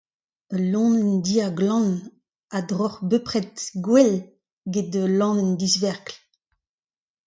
Ul laonenn dir glan a droc'h bepred gwell eget ul laonenn disvergl.